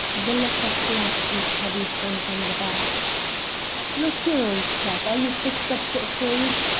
The latter slapped his heavy friend on the back. "Look here, old chap, are you fixed up for a cruise?